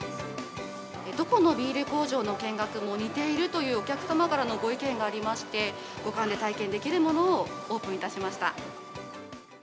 どこのビール工場の見学も似ているというお客様からのご意見がありまして、五感で体験できるものをオープンいたしました。